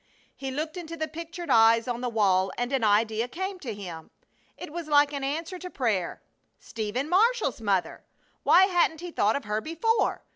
He looked into the pictured eyes on the wall and an idea came to him. It was like an answer to prayer. Stephen Marshall's mother! Why hadn't he thought of her before?